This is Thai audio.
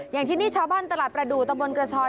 อย่างที่นี่ชาวบ้านตลาดประดูกตำบลกระชอน